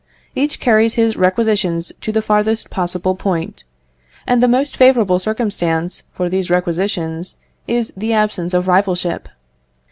Each carries his requisitions to the farthest possible point, and the most favourable circumstance for these requisitions is the absence of rivalship.